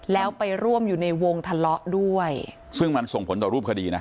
แล้วไปร่วมอยู่ในวงทะเลาะด้วยซึ่งมันส่งผลต่อรูปคดีนะ